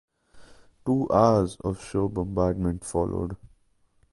Two hours of shore bombardment followed.